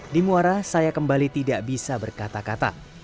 di muara saya kembali tidak bisa berkata kata